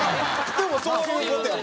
でもそういう事やん。